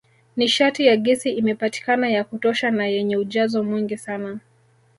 Nishati ya gesi imepatikana ya kutosha na yenye ujazo mwingi sana